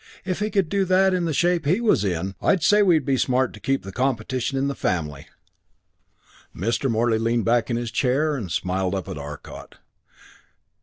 If he could do that in the shape he was then in...! "I'd say we'd be smart to keep the competition in the family." Mr. Morey leaned back in his chair and smiled up at Arcot.